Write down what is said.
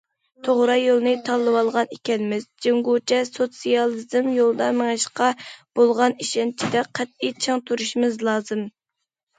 توغرا يولنى تاللىۋالغان ئىكەنمىز، جۇڭگوچە سوتسىيالىزم يولىدا مېڭىشقا بولغان ئىشەنچىدە قەتئىي چىڭ تۇرۇشىمىز لازىم.